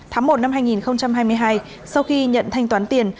tháng một năm hai nghìn hai mươi hai sau khi nhận thanh toán tiền hoàng ngọc tiến đã rút ra tiền